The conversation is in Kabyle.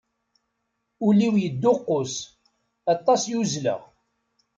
Ul-iw yedduqus, aṭas i uzzleɣ.